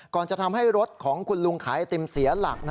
จะทำให้รถของคุณลุงขายไอติมเสียหลัก